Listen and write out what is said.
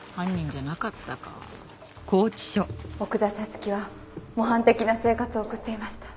月は模範的な生活を送っていました。